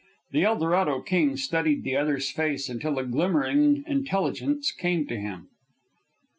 The Eldorado king studied the other's face until a glimmering intelligence came to him.